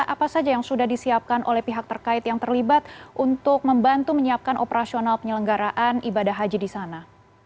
apa saja yang sudah disiapkan oleh pihak terkait yang terlibat untuk membantu menyiapkan operasional penyelenggaraan ibadah haji di sana